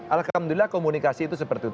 alhamdulillah komunikasi itu seperti itu